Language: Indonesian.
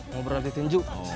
mau berlatih tinju